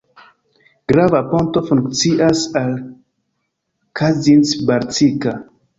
Grava ponto funkcias al Kazincbarcika.